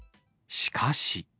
しかし。